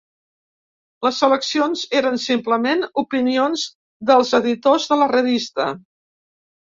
Les seleccions eren simplement opinions dels editors de la revista.